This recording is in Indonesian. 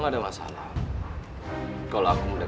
profesyonel bahkan tidak deutlich